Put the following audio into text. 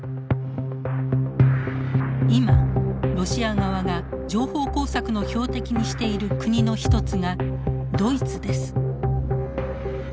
今ロシア側が情報工作の標的にしている国の一つがドイツです。